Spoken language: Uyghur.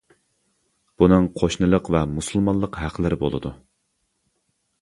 بۇنىڭ قوشنىلىق ۋە مۇسۇلمانلىق ھەقلىرى بولىدۇ.